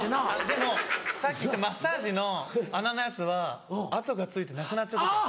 でもさっき言ったマッサージの穴のやつは痕がついてなくなっちゃう時ある。